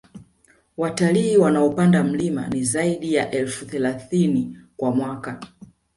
Watalii wanaopanda mlima ni zaidi ya elfu thelathini kwa mwaka